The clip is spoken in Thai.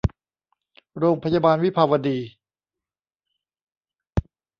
โรงพยาบาลวิภาวดี